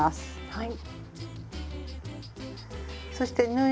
はい。